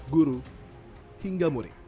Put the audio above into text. guru hingga murid